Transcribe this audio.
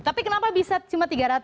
tapi kenapa bisa cuma tiga ratus